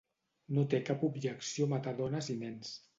No té cap objecció a matar dones i nens.